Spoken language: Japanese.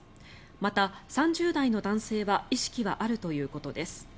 また、３０代の男性は意識はあるということです。